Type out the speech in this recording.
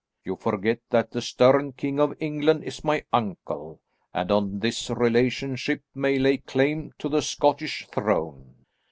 You forget that the stern King of England is my uncle, and on this relationship may lay claim to the Scottish throne.